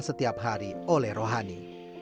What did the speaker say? setiap hari oleh rohani